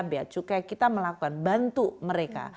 biaya cukai kita melakukan bantu mereka